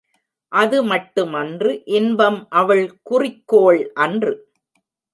அது மட்டுமன்று இன்பம் அவள் குறிக்கோள் அன்று.